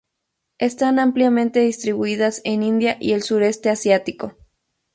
Están ampliamente distribuidas en India y el Sureste Asiático.